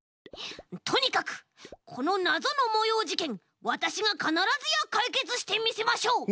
とにかくこのなぞのもようじけんわたしがかならずやかいけつしてみせましょう！